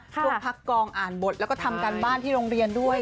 พักกองอ่านบทแล้วก็ทำการบ้านที่โรงเรียนด้วย